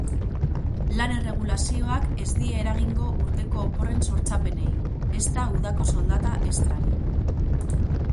Lan-erregulazioak ez die eragingo urteko oporren sortzapenei, ezta udako soldata estrari.